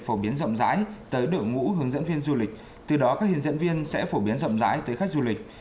phổ biến rộng rãi tới đội ngũ hướng dẫn viên du lịch từ đó các hướng dẫn viên sẽ phổ biến rộng rãi tới khách du lịch